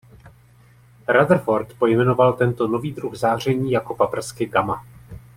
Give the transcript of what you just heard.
Rutherford pojmenoval tento nový druh záření jako paprsky gama.